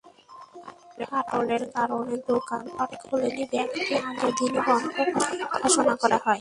ফাটলের কারণে দোকানপাট খোলেনি, ব্যাংকটি আগের দিনই বন্ধ ঘোষণা করা হয়।